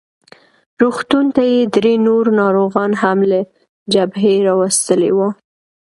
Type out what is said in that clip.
روغتون ته یې درې نور ناروغان هم له جبهې راوستلي وو.